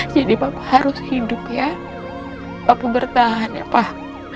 bapak harus hidup ya bapak bertahan ya pak